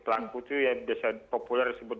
pelaku itu yang biasa populer disebut